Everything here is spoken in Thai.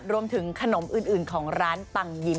รวมถึงขนมอื่นของร้านปังยิม